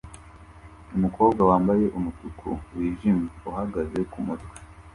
Umukobwa wambaye umutuku wijimye uhagaze kumutwe